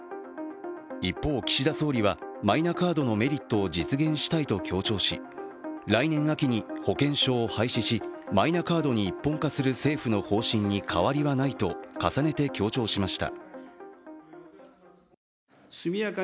一方、岸田総理はマイナカードのメリットを実現したいと強調し来年秋に保険証を廃止し、マイナカードに一本化する政府の方針に変わりはないと、重ねて強調しました。